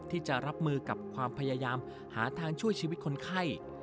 ที่จะรับมือกับความพยายามหาทางช่วยชีวิตคนไข้